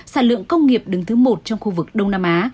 sản lượng công nghiệp đứng thứ một trong khu vực đông nam á